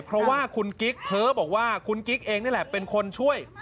เพราะว่าคุณกิ๊กเพ้อบอกว่าคุณกิ๊กเองนี่แหละเป็นคนช่วย